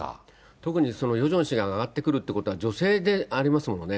特にそのヨジョン氏が上がってくるっていうのは、女性でありますものね。